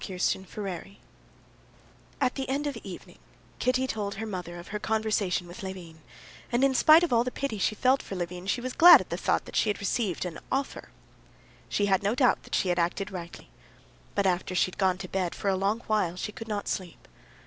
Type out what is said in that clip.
Chapter 15 At the end of the evening Kitty told her mother of her conversation with Levin, and in spite of all the pity she felt for Levin, she was glad at the thought that she had received an offer. She had no doubt that she had acted rightly. But after she had gone to bed, for a long while she could not sleep.